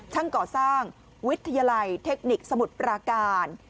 ก่อสร้างวิทยาลัยเทคนิคสมุทรปราการ